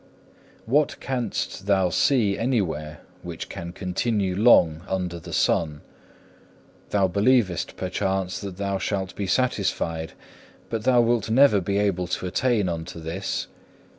8. What canst thou see anywhere which can continue long under the sun? Thou believest perchance that thou shalt be satisfied, but thou wilt never be able to attain unto this.